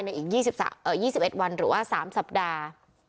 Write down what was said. อีก๒๑วันหรือว่า๓สัปดาห์